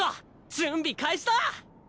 準備開始だ！